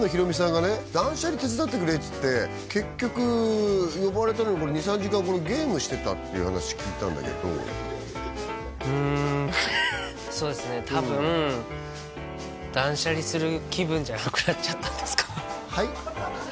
捨離手伝ってくれっつって結局呼ばれたのに２３時間ゲームしてたっていう話聞いたんだけどうんーそうですね多分断捨離する気分じゃなくなっちゃったんですかねはい？